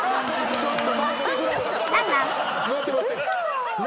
ちょっと。